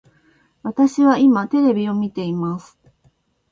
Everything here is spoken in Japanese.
私は今テレビを見ています